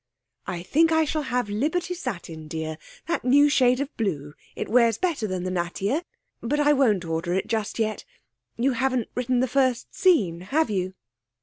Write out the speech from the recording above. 'I think I shall have Liberty satin, dear that new shade of blue it wears better than Nattier. But I won't order it just yet. You haven't written the first scene, have you?'